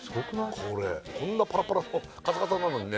これこんなパラパラのカサカサなのにね